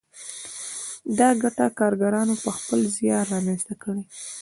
دا ګټه کارګرانو په خپل زیار رامنځته کړې ده